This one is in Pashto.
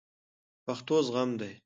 پښتو زغم دی